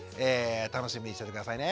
楽しみにしておいて下さいね。